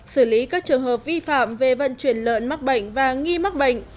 xử lý các trường hợp vi phạm về vận chuyển lợn mắc bệnh và nghi mắc bệnh